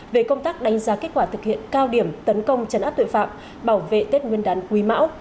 về công tác đánh giá kết quả thực hiện cao điểm tấn công chấn áp tội phạm bảo vệ tết nguyên đán quý mão